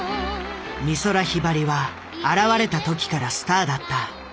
美空ひばりは現れた時からスターだった。